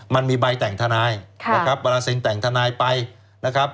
มันมีใบแต่งทนายแล้วครับบรรทริงแต่งทนายไปนะครับ